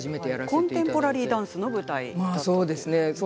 コンテンポラリーダンスの舞台ですね。